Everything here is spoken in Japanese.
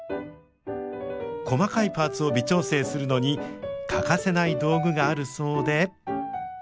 細かいパーツを微調整するのに欠かせない道具があるそうで。